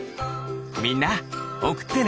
みんなおくってね！